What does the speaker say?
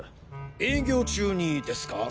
営業中にですか？